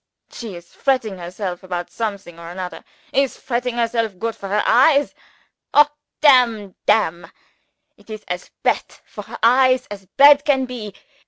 She is fretting herself about something or anodder. Is fretting herself goot for her eyes? Ho damn damn! it is as bad for her eyes as bad can be.